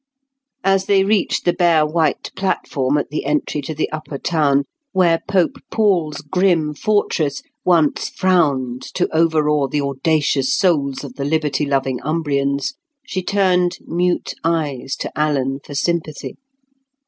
As they reached the bare white platform at the entry to the upper town, where Pope Paul's grim fortress once frowned to overawe the audacious souls of the liberty loving Umbrians, she turned mute eyes to Alan for sympathy.